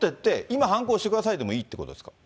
今、はんこ押してくださいでもいいっていうことですか。